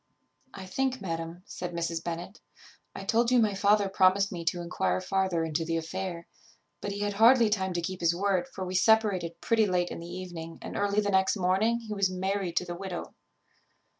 _ "I think, madam," said Mrs. Bennet, "I told you my father promised me to enquire farther into the affair, but he had hardly time to keep his word; for we separated pretty late in the evening and early the next morning he was married to the widow.